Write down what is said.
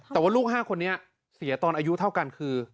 แต่ว่าลูก๕คนนี้เสียตอนอายุเท่ากันคือ